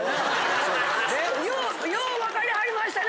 よう分かりはりましたね